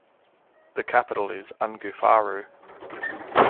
The capital is Ungoofaaru.